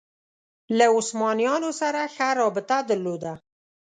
له عثمانیانو سره ښه رابطه درلوده